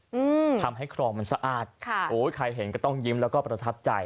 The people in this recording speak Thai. อืมทำให้คลองมันสะอาดค่ะโอ้ยใครเห็นก็ต้องยิ้มแล้วก็ประทับใจ